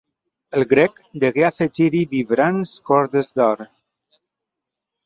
El grec degué afegir-hi vibrants cordes d'or.